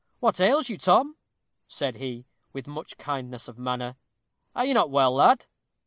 "What ails you, Tom?" said he, with much kindness of manner "are you not well, lad?"